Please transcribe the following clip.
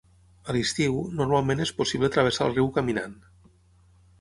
A l'estiu, normalment és possible travessar el riu caminant.